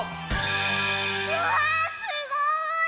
うわあすごい！